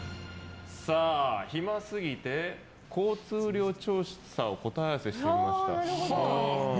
暇すぎて交通量調査を答え合わせしてみました。